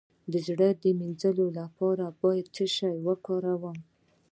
د زړه د مینځلو لپاره باید څه شی وکاروم؟